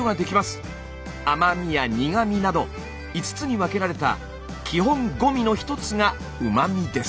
甘味や苦味など５つに分けられた基本五味の一つがうま味です。